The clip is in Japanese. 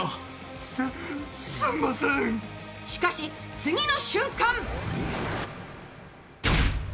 しかし、次の瞬間！